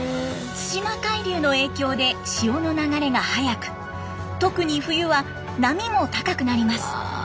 対馬海流の影響で潮の流れが速く特に冬は波も高くなります。